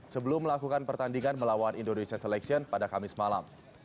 sebelum melakukan pertandingan melawan indonesia selection pada kamis malam